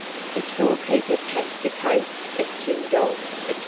The storekeeper packed the case of tinned dog, etc.